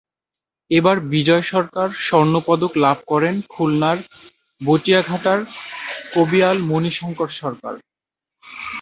এবার বিজয় সরকার স্বর্ণপদক লাভ করেন খুলনার বটিয়াঘাটার কবিয়াল মনি শঙ্কর সরকার।